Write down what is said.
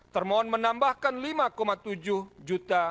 termohon menambahkan lima tujuh juta